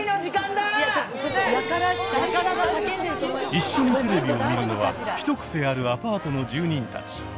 一緒にテレビを見るのはヒトクセあるアパートの住人たち。